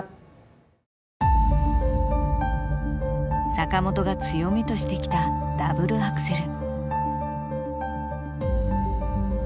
坂本が強みとしてきたダブルアクセル。